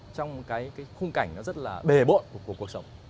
trong cái khung cảnh nó rất là bề bộn của cuộc sống